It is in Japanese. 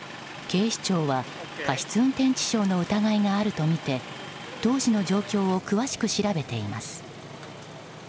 警視庁は過失運転致傷の疑いがあるとみて当時の状況を詳しく調べています。